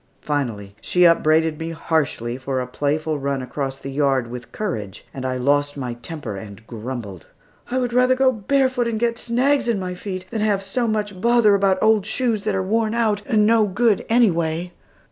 Finally she upbraided me harshly for a playful run across the yard with Courage, and I lost my temper, and grumbled. "I would rather go barefooted and get snags in my feet than have so much bother about old shoes that are worn out and no good anyway!"